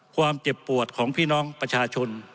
ความเจ็บปวดของพี่น้องประชาชน